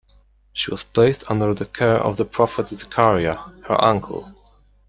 She was placed under the care of the prophet Zechariah, her uncle.